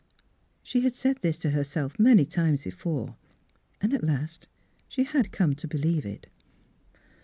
She had said this to herself many times before, and at last she had come to believe it.